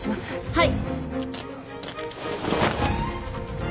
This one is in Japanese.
はい。